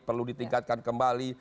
perlu ditingkatkan kembali